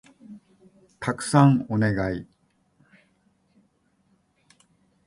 たくさんお願い